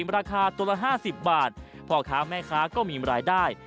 ราคาตัวละ๕๐บาทพ่อค้าแม่ค้าก็มีรายได้